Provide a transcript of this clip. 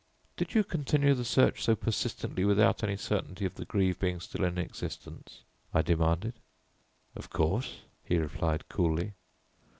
"Did you continue the search so persistently without any certainty of the greave being still in existence?" I demanded. "Of course," he replied coolly.